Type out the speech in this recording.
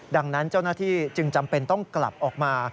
ดังนั้นเจ้าหน้าที่จึงจำเป็นต้องกลับออกมา